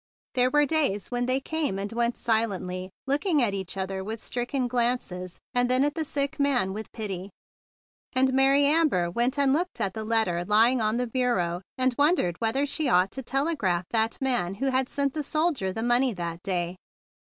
There were days when they came and went silently, looking at each other with stricken glances and at the sick man with pity; and Mary Amber went and looked at the letter lying on the bureau, and wondered whether she ought to tele¬ graph that man who had sent the soldier the money that day.